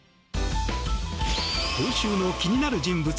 今週の気になる人物